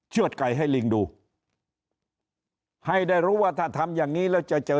ดไก่ให้ลิงดูให้ได้รู้ว่าถ้าทำอย่างนี้แล้วจะเจอ